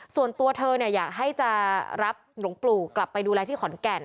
ส่วนตัวเธออยากให้จะรับหลวงปู่กลับไปดูแลที่ขอนแก่น